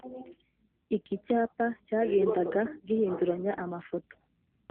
iki cyapa cyagendaga gihinduranya amafoto